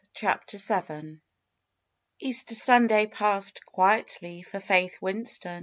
CHAPTER VII Easter Sunday passed quietly for Faith Winston.